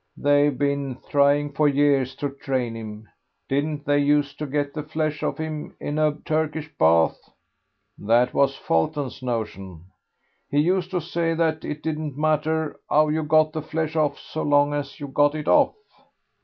They've been trying for years to train him. Didn't they used to get the flesh off him in a Turkish bath? That was Fulton's notion. He used to say that it didn't matter 'ow you got the flesh off so long as you got it off.